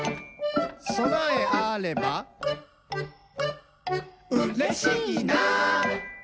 「そなえあればうれしいな！」